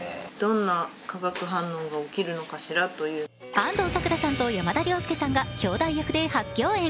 安藤サクラさんと山田涼介さんがきょうだい役で初共演。